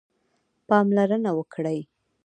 پاملرنه وکړئ